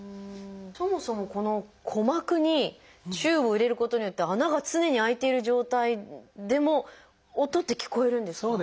そもそもこの鼓膜にチューブを入れることによって穴が常に開いている状態でも音って聞こえるんですか？